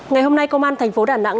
ngày hôm nay công an thành phố đà nẵng